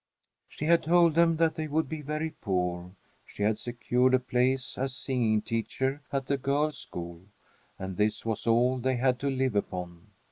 She had told them that they would be very poor. She had secured a place as singing teacher at the girls' school, and this was all they had to live upon.